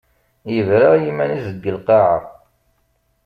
Yebra i yiman-is deg lqaɛa.